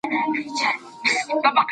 هغې د ماشومانو د خوب خونې پاکې ساتي.